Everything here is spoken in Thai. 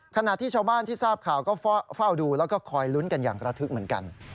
ขณะที่ชาวบ้านที่ทราบข่าวก็เฝ้าดูแล้วก็คอยลุ้นกันอย่างระทึกเหมือนกัน